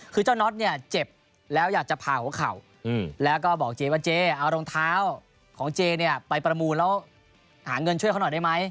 คือเจ้าน็อตเนี่ยเจ็บแล้วอยากจะพาหัวเข่าแล้วก็บอกเจว่าเจ๊เอารองเท้าของเจเนี่ยไปประมูลแล้วหาเงินช่วยเขาหน่อยได้ไหม